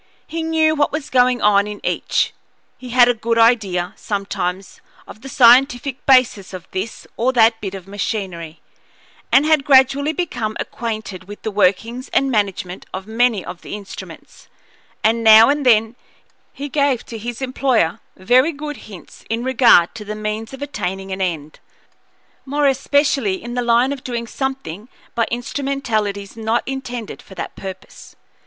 He knew what was going on in each; he had a good idea, sometimes, of the scientific basis of this or that bit of machinery, and had gradually become acquainted with the workings and management of many of the instruments; and now and then he gave to his employer very good hints in regard to the means of attaining an end, more especially in the line of doing something by instrumentalities not intended for that purpose.